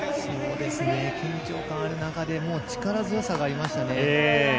緊張感ある中でも力強さがありましたね。